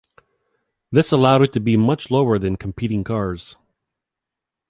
This allowed it to be much lower than competing cars.